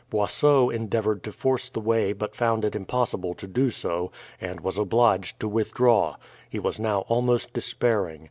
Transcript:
Boisot endeavoured to force the way but found it impossible to do so, and was obliged to withdraw. He was now almost despairing.